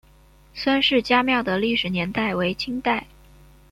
孙氏家庙的历史年代为清代。